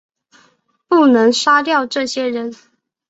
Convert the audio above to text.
不能杀掉这些人